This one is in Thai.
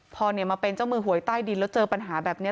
พอมาเป็นเจ้ามือหวยใต้ดินแล้วเจอปัญหาแบบนี้